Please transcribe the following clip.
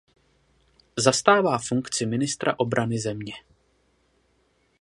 Zastává funkci ministra obrany země.